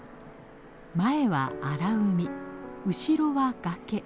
前は荒海後ろは崖。